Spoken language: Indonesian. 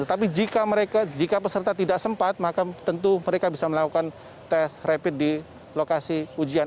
tetapi jika peserta tidak sempat maka tentu mereka bisa melakukan tes rapid di lokasi ujian